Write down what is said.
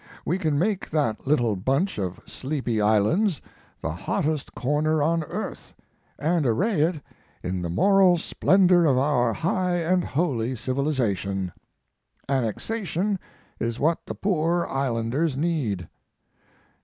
We can make that little bunch of sleepy islands the hottest corner on earth, and array it in the moral splendor of our high and holy civilization. Annexation is what the poor islanders need!